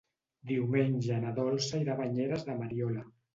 Diumenge na Dolça irà a Banyeres de Mariola.